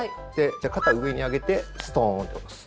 肩を上に上げてストンと下ろす。